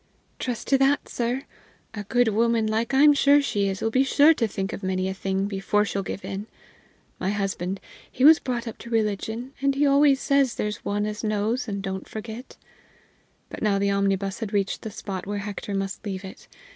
"Trust to that, sir! A good woman like I'm sure she is 'll be sure to think of many a thing before she'll give in. My husband, he was brought up to religion, and he always says there's one as know's and don't forget." But now the omnibus had reached the spot where Hector must leave it.